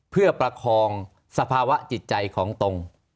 เพื่อประคองสภาวะจิตใจของตรง